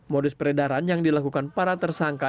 modus peredaran yang dilakukan para tersangka